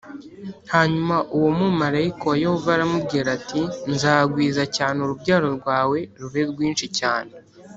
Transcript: Hanyuma uwo mumarayika wa Yehova aramubwira ati nzagwiza cyane urubyaro rwawe rube rwinshi cyane.